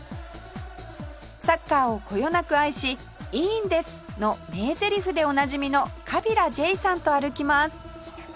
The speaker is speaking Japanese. サッカーをこよなく愛し「いいんです！」の名ゼリフでおなじみの川平慈英さんと歩きます